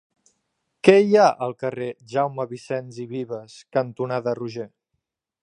Què hi ha al carrer Jaume Vicens i Vives cantonada Roger?